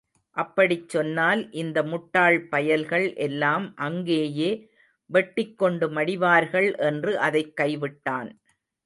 அப்படிச் சொன்னால் இந்த முட்டாள் பயல்கள் எல்லாம் அங்கேயே வெட்டிக் கொண்டு மடிவார்கள் என்று அதைக் கைவிட்டான்.